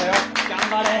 頑張れ。